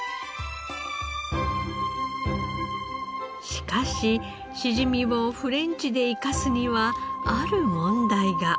しかししじみをフレンチで生かすにはある問題が。